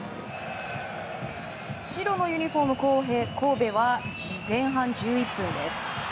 白のユニホーム、神戸は前半１１分です。